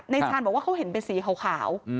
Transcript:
ชาญบอกว่าเขาเห็นเป็นสีขาว